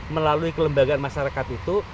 melalui kelembagaan masyarakat itu